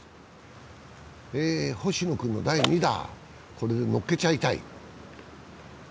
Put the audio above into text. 星野君の第２打、これで乗っけちゃいたい。